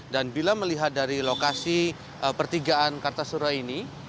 dan bila melihat dari lokasi pertigaan kata surah ini